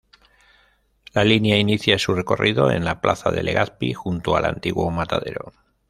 La línea inicia su recorrido en la Plaza de Legazpi, junto al antiguo Matadero.